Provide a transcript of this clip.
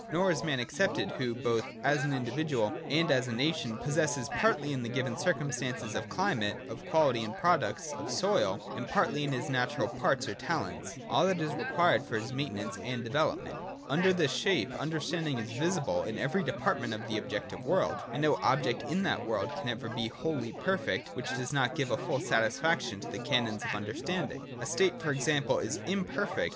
Nor is man excepted, who, both as an individual and as a nation, possesses partly in the given circumstances of climate, of quality and products of soil, and partly in his natural parts or talents, all that is required for his maintenance and development. Under this shape Understanding is visible in every department of the objective world ; and no object in that world can ever be wholly perfect which does not give full satisfaction to the canons of understanding. A state, for example, is imperfect, VOL.